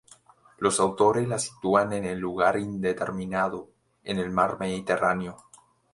Los autores la sitúan en un lugar indeterminado, en el Mar Mediterráneo.